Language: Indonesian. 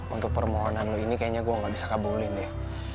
untuk permohonan ini kayaknya gue gak bisa kabulin deh